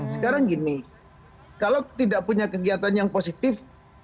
sekarang gini kalau tidak punya kegiatan yang positif